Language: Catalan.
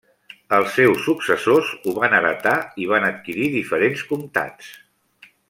Els seus successors ho van heretar i van adquirir diferents comtats.